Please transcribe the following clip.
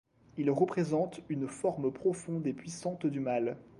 Il représente une forme profonde et puissante du mal.